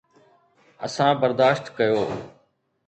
اسان برداشت ڪيو.